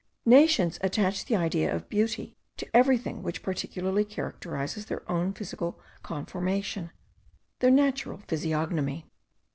Nations attach the idea of beauty to everything which particularly characterizes their own physical conformation, their national physiognomy.